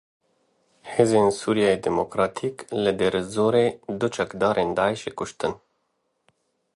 Hêzên Sûriya Demokratîk li Dêre Zorê du çekdarên Daişê kuştin.